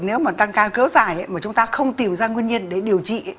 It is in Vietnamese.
nếu mà tăng cao cỡ dài mà chúng ta không tìm ra nguyên nhân để điều trị